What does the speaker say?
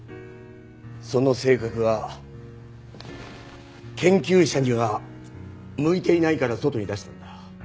その性格が研究者には向いていないから外へ出したんだ。